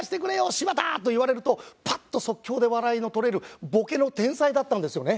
柴田！と言われるとパッと即興で笑いのとれるボケの天才だったんですよね？